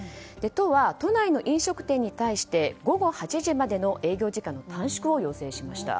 都は都内の飲食店に対して午後８時までの営業時間の短縮を要請しました。